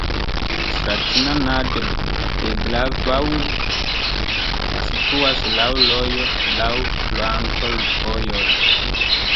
Slatina nad Bebravou situas laŭ rojo, laŭ flankovojoj.